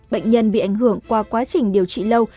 bệnh nhân bị ảnh hưởng qua quá trình điều trị lâu